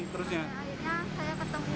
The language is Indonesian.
akhirnya saya ketemu dengan warga di sini